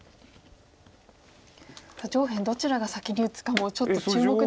上辺どちらが先に打つかもちょっと注目ですね。